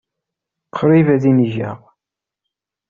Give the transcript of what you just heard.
Qrib ad inigeɣ.